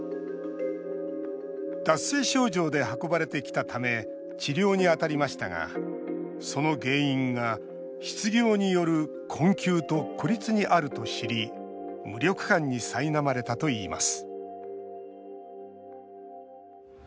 脱水症状で運ばれてきたため治療に当たりましたがその原因が失業による困窮と孤立にあると知り無力感にさいなまれたといいます